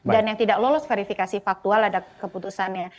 dan yang tidak lolos verifikasi faktual ada keputusannya